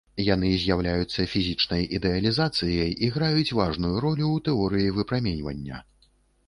Яны з'яўляюцца фізічнай ідэалізацыяй і граюць важную ролю ў тэорыі выпраменьвання.